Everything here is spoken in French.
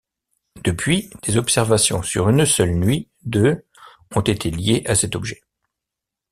Depuis, des observations sur une seule nuit de ont été liées à cet objet.